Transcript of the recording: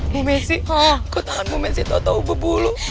bu messi kok tanganmu messi tau tau bebulu